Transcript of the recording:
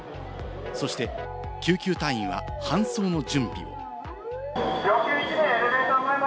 そして救急隊員は、搬送の準備。